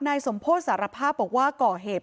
นายสมโพธิสารภาพบอกว่าก่อเหตุ